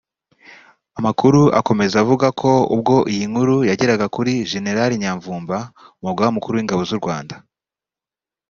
Amakuru akomeza avuga ko ubwo iyi nkuru yageraga kuri General Nyamvumba umugaba mukuru w’ingabo z’u Rwanda